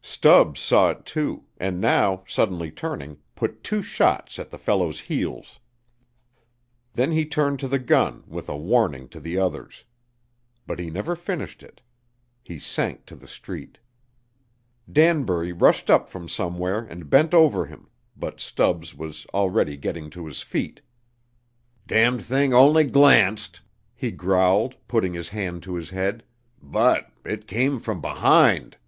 Stubbs saw it, too, and now, suddenly turning, put two shots at the fellow's heels. Then he turned to the gun, with a warning to the others. But he never finished it. He sank to the street. Danbury rushed up from somewhere and bent over him, but Stubbs was already getting to his feet. "Damned thing only glanced," he growled, putting his hand to his head, "but it came from behind!"